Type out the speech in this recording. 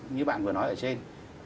như bạn vừa nói ở trên